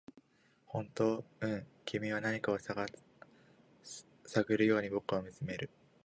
「本当？」「うん」君は何かを探るように僕を見つめる